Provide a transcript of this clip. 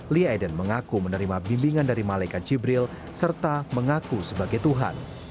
lee aiden mengaku menerima bimbingan dari malaikat jibril serta mengaku sebagai tuhan